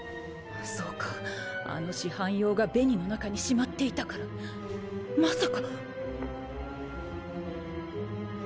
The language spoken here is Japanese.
そうかあの四半妖が紅の中にしまっていたからまさか！